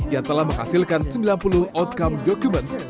yang telah menghasilkan sembilan puluh outcome documents